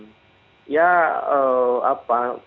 untuk menerima kekuasaan